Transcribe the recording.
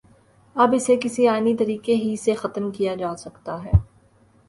اب اسے کسی آئینی طریقے ہی سے ختم کیا جا سکتا ہے۔